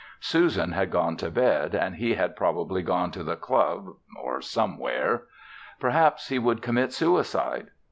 Susan had gone to bed and he had probably gone to the club or somewhere. Perhaps he would commit suicide.